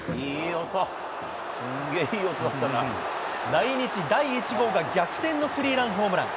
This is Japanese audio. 来日第１号が逆転のスリーランホームラン。